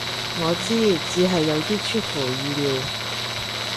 我知，只係有啲出乎意料